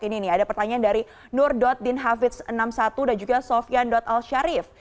ini nih ada pertanyaan dari nur dinhafiz enam puluh satu dan juga sofian alsyarif